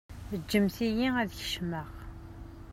Ǧǧemt-iyi ad kecmeɣ.